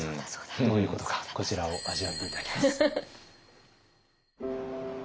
どういうことかこちらを味わって頂きます。